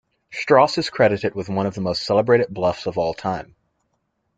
Straus is credited with one of the most celebrated bluffs of all time.